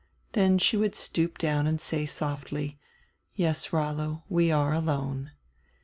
Then she would stoop down and say softly: "Yes, Rollo, we are alone."